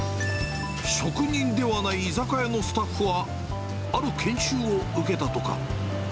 職人ではない居酒屋のスタッフは、ある研修を受けたとか。